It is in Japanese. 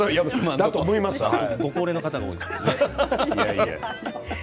ご高齢の方が多いから。